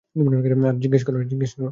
আরে, জিজ্ঞেস করো।